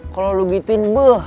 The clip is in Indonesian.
kalau lo gituin